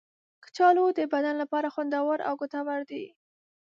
کچالو د بدن لپاره خوندور او ګټور دی.